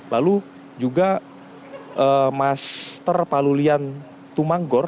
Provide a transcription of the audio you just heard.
lalu juga master pak lulian tumanggor